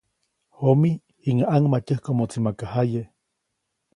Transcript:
Jomi, jiŋäʼ ʼaŋmatyäjkomoʼtsi maka jaye.